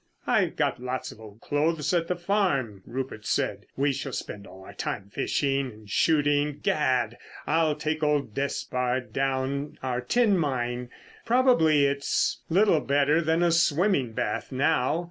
"I've got lots of old clothes at the farm," Rupert said. "We shall spend all our time fishing and shooting. Gad! I'll take old Despard down our tin mine. Probably, it's little better than a swimming bath now!"